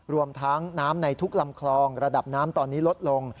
รวมทั้งน้ำในทุกลำคลองระดับน้ำตอนนี้ลดลง